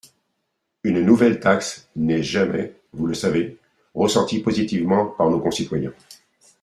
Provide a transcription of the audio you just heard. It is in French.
Une nouvelle taxe n’est jamais, vous le savez, ressentie positivement par nos concitoyens.